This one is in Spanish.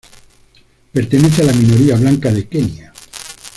Pertenece a la minoría blanca de Kenia.